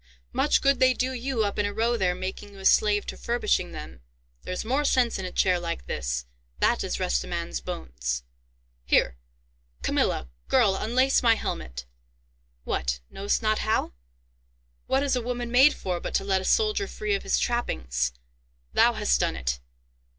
"Much good they do you, up in a row there, making you a slave to furbishing them. There's more sense in a chair like this—that does rest a man's bones. Here, Camilla, girl, unlace my helmet! What, know'st not how? What is a woman made for but to let a soldier free of his trappings? Thou hast done it!